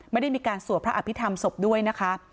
ไม่ได้มีการสวดพระอภิษฐรรมศพด้วยนะคะ